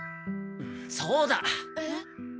そうだ。えっ？